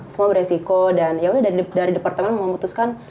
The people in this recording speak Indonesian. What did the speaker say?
semua beresiko dan yaudah dari departemen memutuskan